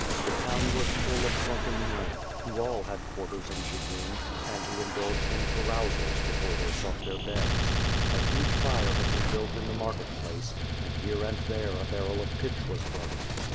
The town was full of drunken men, who all had quar ters in Chigrin, and who indulged in carousals before they sought their beds. A huge fire had been built in the market place, and here and there a barrel of pitch was burning.